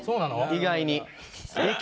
意外に。